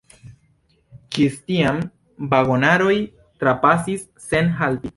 Ĝis tiam, vagonaroj trapasis sen halti.